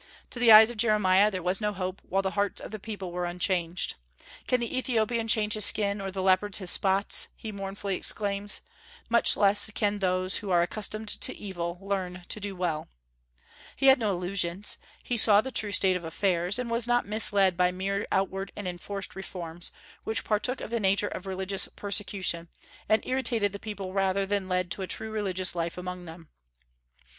To the eyes of Jeremiah, there was no hope while the hearts of the people were unchanged. "Can the Ethiopian change his skin, or the leopard his spots?" he mournfully exclaims. "Much less can those who are accustomed to do evil learn to do well." He had no illusions; he saw the true state of affairs, and was not misled by mere outward and enforced reforms, which partook of the nature of religious persecution, and irritated the people rather than led to a true religious life among them.